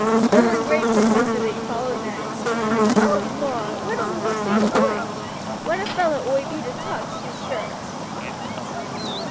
Bill in great perplexity followed Ned, muttering: "Oh, Lor'! what ull Luke say to oi? What a fellow oi be to talk, to be sure!"